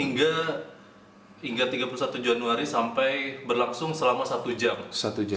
hingga tiga puluh satu januari sampai berlangsung selama satu jam